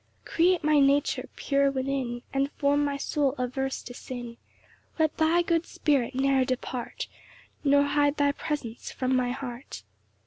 2 Create my nature pure within, And form my soul averse to sin; Let thy good Spirit ne'er depart, Nor hide thy presence from my heart.